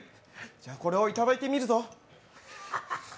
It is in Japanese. じゃあこれをいただいてみるぞ。